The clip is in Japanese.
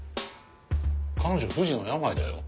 彼女不治の病だよ？